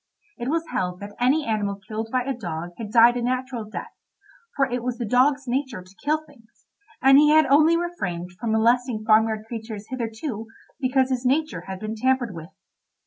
It was held that any animal killed by a dog had died a natural death, for it was the dog's nature to kill things, and he had only refrained from molesting farmyard creatures hitherto because his nature had been tampered with.